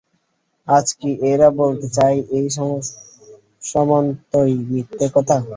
আজ কি এরা বলতে চায় এ সমস্তই মিথ্যে কথা?